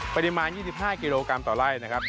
ปริมาณ๒๕กิโลกรัมต่อไล่นะครับ